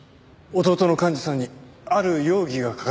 弟の寛二さんにある容疑がかかっていまして